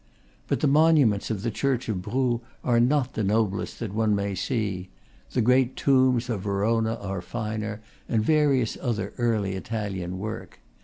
But the monuments of the church of Brou are not the noblest that one may see; the great tombs of Verona are finer, and various other early Italian work.